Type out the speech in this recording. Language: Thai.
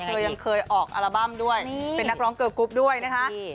ยังเคยออกอัลบั้มด้วยเป็นนักร้องเกอร์กรุ๊ปด้วยนะคะ